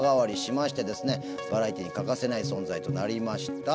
バラエティーに欠かせない存在となりました。